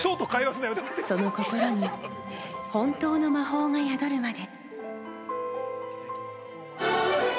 その心に本当の魔法が宿るまで。